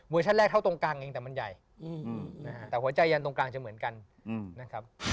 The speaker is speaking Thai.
ชั่นแรกเข้าตรงกลางเองแต่มันใหญ่แต่หัวใจยันตรงกลางจะเหมือนกันนะครับ